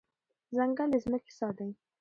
ځنګل د ځمکې ساه ده.